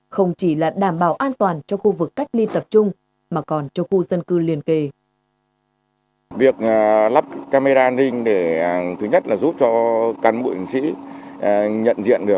không chỉ là đảm bảo an toàn cho khu vực cách ly tập trung mà còn cho khu dân cư liên kề